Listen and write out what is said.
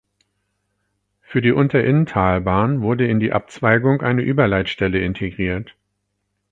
Für die Unterinntalbahn wurde in die Abzweigung eine Überleitstelle integriert.